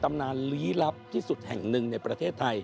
ตำนานลี้ลับที่สุดแห่งหนึ่งในประเทศไทย